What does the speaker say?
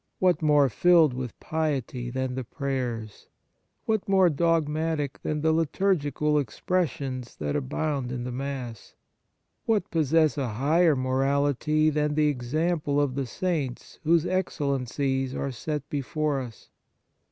what more filled with piety than the prayers ? what more dogmatic than the liturgical expressions that abound in the Mass ? what possess a higher morality than the example of the Saints whose excellencies are set before us